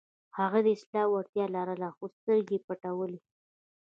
هغوی د اصلاح وړتیا لرله، خو سترګې یې پټولې.